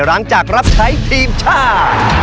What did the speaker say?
หลังจากรับใช้ทีมชาติ